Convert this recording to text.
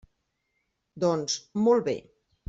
Doncs, molt bé.